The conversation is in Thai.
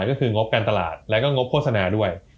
ก็คืองบการตลาดแล้วก็งบโฆษณาด้วย